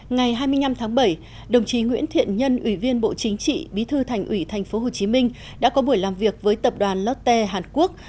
ngày hai mươi năm tháng bảy đồng chí nguyễn thiện nhân ủy viên bộ chính trị bí thư thành ủy tp hcm đã có buổi làm việc với tập đoàn lotte hàn quốc